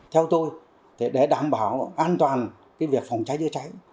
theo tôi để đảm bảo an toàn việc phòng cháy chữa cháy